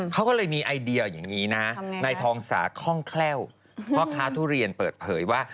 เขาก็เลยมีไอเดียอย่างนี้นะในทองสาคล่องแคล่วพ่อค้าทุเรียนเปิดเผยว่า